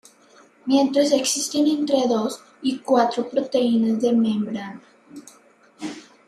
Mientras existen entre dos y cuatro proteínas de membrana.